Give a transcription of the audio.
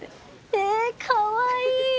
えかわいい。